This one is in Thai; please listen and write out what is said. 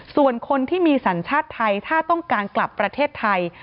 ส่วนคนที่มีสัญชาติไทยถ้าต้องการกลับประเทศไทย